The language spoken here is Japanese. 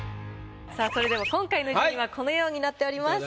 さぁそれでは今回の順位はこのようになっております。